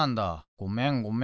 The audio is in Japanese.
ごめんごめん。